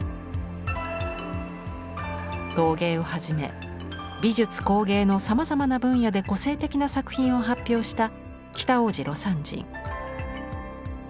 陶芸をはじめ美術工芸のさまざまな分野で個性的な作品を発表した北大路魯山人。